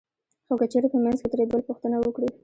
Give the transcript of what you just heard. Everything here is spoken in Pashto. خو که چېرې په منځ کې ترې بل پوښتنه وکړي